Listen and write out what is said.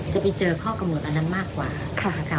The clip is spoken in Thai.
จะไปเจอข้อกำหนดอันนั้นมากกว่านะคะ